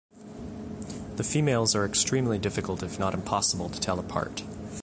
The females are extremely difficult if not impossible to tell apart.